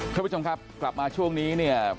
คุณผู้ชมครับกลับมาช่วงนี้เนี่ย